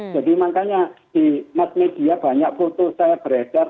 jadi makanya di mass media banyak foto saya beredar